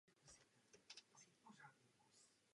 To je velice důležitý bod.